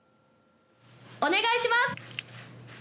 お願いします。